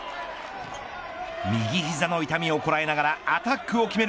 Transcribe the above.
右膝の痛みをこらえながらアタックを決める